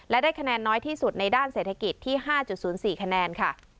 และได้คะแนนน้อยที่สุดในด้านเศรษฐกิจที่๕๐๔คะแนนค่ะ